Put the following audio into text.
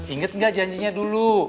ingat gak janjinya dulu